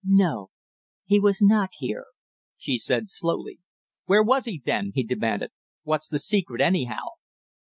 "No, he was not here," she said slowly. "Where was he, then?" he demanded. "What's the secret, anyhow?"